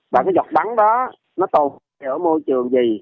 và cái giọt bắn đó nó tồn ở môi trường gì